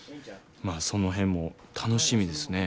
まあその辺も楽しみですね。